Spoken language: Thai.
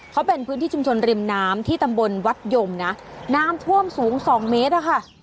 เขาเป็นพื้นที่ชุมชนริมน้ำที่ตำบลวัดยมนะน้ำท่วมสูงสองเมตรอะค่ะ